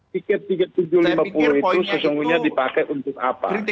saya pikir poinnya itu kritikal faktor dari komunikasi